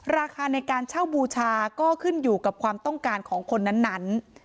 ราคาในการเช่าบูชาก็ขึ้นอยู่กับความต้องการของคนนั้น